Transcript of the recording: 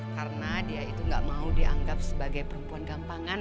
karena dia itu gak mau dianggap sebagai perempuan gampangan